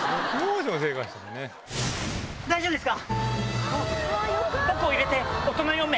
大丈夫ですか？